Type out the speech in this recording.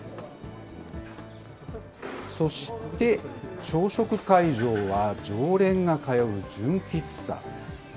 そして、朝食会場は、常連が通う純喫茶。